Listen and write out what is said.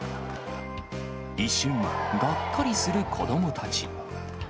一瞬、がっかりする子どもたち。